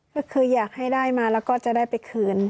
ก็คืออยากให้ได้มาแล้วก็จะได้ไปคืน